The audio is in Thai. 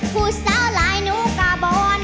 ผู้สาวหลายหนูกาบอน